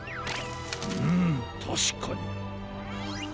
うむたしかに。